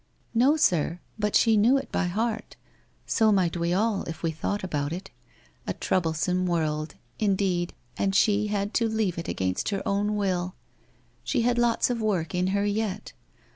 ' No, sir, but she knew it by heart. So might we all, if we thought about it. A troublesome world, indeed and WHITE ROSE OF WEARY LEAF 431 she had to leave it against her own will. She had lots of work in her yet.